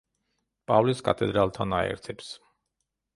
პავლეს კათედრალთან აერთებს.